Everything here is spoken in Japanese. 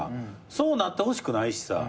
そうなってほしくないしさ。